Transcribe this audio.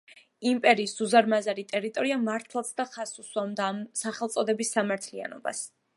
იმპერიის უზარმაზარი ტერიტორია მართლაცდა ხაზს უსვამდა ამ სახელწოდების სამართლიანობას.